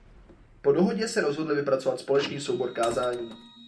Po dohodě se rozhodli vypracovat společný soubor kázání.